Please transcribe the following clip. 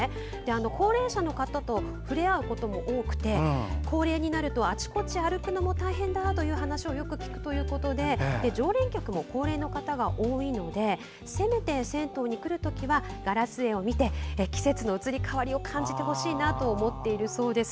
高齢者の方と触れ合うことも多くて高齢になるとあちこち歩くのも大変だという話をよく聞くということで常連客も高齢の方が多いのでせめて銭湯に来るときはガラス絵を見て季節の移り変わりを感じてほしいなと思っているそうです。